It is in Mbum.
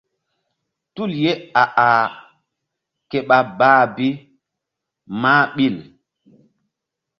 Tul ye a-ah ke ɓa bah bi mah ɓil.